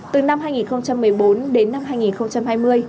từ năm hai nghìn một mươi bốn đến năm hai nghìn hai mươi